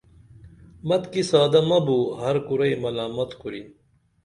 متِکی سادہ مہ بو ہر کُرئی ملامت کُرن